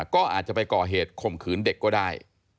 ก็อาจจะไปก่อเหตุข่มขืนเด็กก็ได้